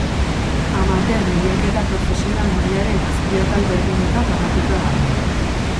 Amateur lehiaketa profesional mailaren azpi-atal berdinetan banatuta dago.